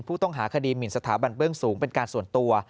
ผู้ต้องหาคดีหมินสถาบันเบื้องสูงเป็นการส่วนตัว